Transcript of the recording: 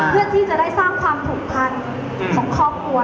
เพื่อสร้างความครูกพันธ์ของข้อควร